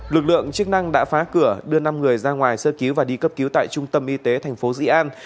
lực lượng chức năng đã phá cửa đưa năm người ra ngoài sơ cứu và đi cấp cứu tại trung tâm y tế thành phố dị an